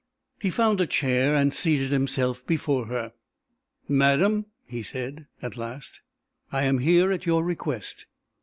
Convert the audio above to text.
He found a chair and seated himself before her. "Madam," he said at last, "I am here at your request."